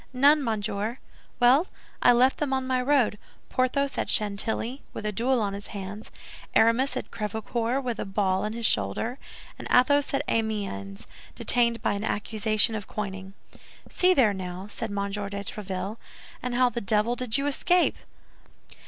"None, monsieur." "Well, I left them on my road—Porthos at Chantilly, with a duel on his hands; Aramis at Crèvecœur, with a ball in his shoulder; and Athos at Amiens, detained by an accusation of coining." "See there, now!" said M. de Tréville; "and how the devil did you escape?"